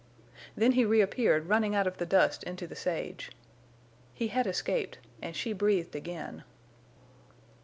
Then he reappeared running out of the dust into the sage. He had escaped, and she breathed again.